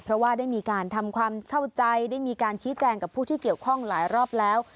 เพราะว่าได้มีการทำความเข้าใจได้มีการชี้แจงกับผู้ที่เกี่ยวข้องหลายรอบแล้ว